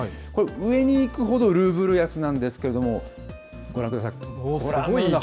これ、上に行くほどルーブル安なんですけれども、ご覧ください。